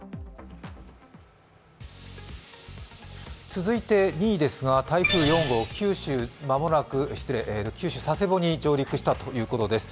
続いて、２位ですが台風４号、佐世保に上陸したということです。